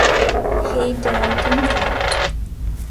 He died in Ghent.